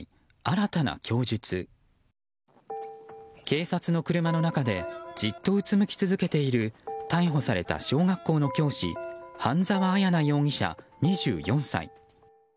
警察の車の中でじっとうつむき続けている逮捕された小学校の教師半沢彩奈容疑者、２４歳。